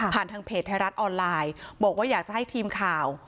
ทางเพจไทยรัฐออนไลน์บอกว่าอยากจะให้ทีมข่าว